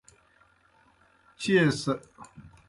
چیئے سہ پھاݜے ڈھیرِیاں وِینَن۔